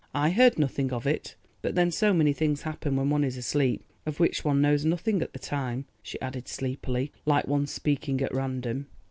"I heard nothing of it—but then so many things happen when one is asleep of which one knows nothing at the time," she added sleepily, like one speaking at random.